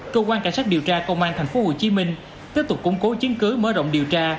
cơ quan cảnh sát điều tra công an tp hcm tiếp tục củng cố chứng cứ mở rộng điều tra